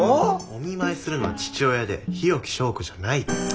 お見舞いするのは父親で日置昭子じゃないから。